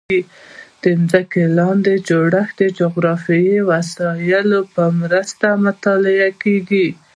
د ځمکې لاندې جوړښت د جیوفزیکي وسایلو په مرسته مطالعه کوي